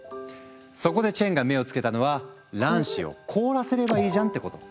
そこでチェンが目を付けたのは卵子を凍らせればいいじゃんってこと。